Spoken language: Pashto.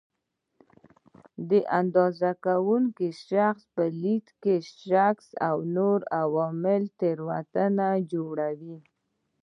د اندازه کوونکي شخص په لید کې شک او نور عوامل تېروتنه جوړوي.